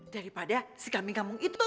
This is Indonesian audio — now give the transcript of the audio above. daripada si gamping gampung itu